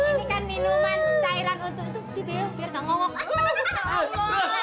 ini kan minuman cairan untuk si be biar gak ngomong